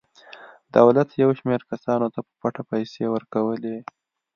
دولت یو شمېر کسانو ته په پټه پیسې ورکولې.